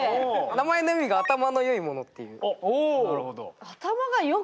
名前の意味が頭のよい者っていう。